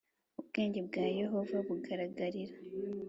Ubwenge bwa yehova bugaragarira